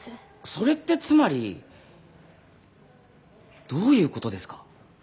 それってつまりどういうことですか？